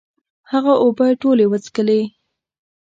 هغه اوبه ټولي وڅکلي